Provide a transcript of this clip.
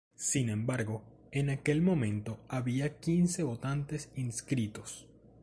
Sin embargo, en aquel momento había quince votantes inscritos.